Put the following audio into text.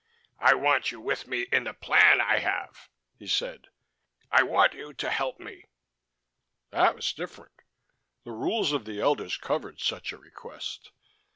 "I want you with me in the plan I have," he said. "I want you to help me." That was different. The rules of the elders covered such a request.